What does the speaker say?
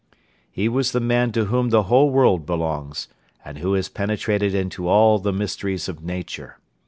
He was the man to whom the whole world belongs and who has penetrated into all the mysteries of Nature.